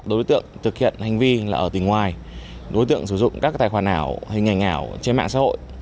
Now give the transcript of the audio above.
đối tượng thực hiện hành vi là ở tỉnh ngoài đối tượng sử dụng các tài khoản ảo hình ảnh ảo trên mạng xã hội